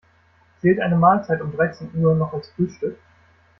Zählt eine Mahlzeit um dreizehn Uhr noch als Frühstück?